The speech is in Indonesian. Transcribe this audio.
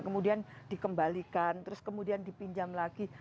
kemudian dikembalikan terus kemudian dipinjam lagi